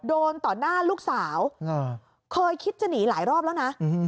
โดนต่อหน้าลูกสาวเคยคิดจะหนีหลายรอบแล้วนะ